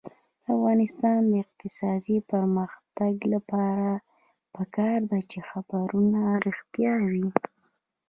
د افغانستان د اقتصادي پرمختګ لپاره پکار ده چې خبرونه رښتیا وي.